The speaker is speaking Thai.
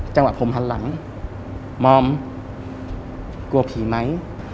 จังหวะผมหันหลังมอมกลัวผีไหม